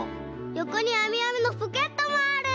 よこにあみあみのポケットもある！